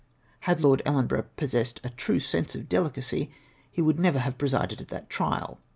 Had Lord Ellenborough possessed a true sense of delicacy, he would never have presided at that trial.